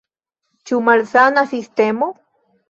Ĉu malsana sistemo?